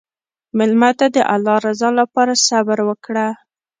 مېلمه ته د الله رضا لپاره صبر وکړه.